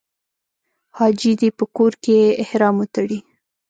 حاجي دې په کور کې احرام وتړي.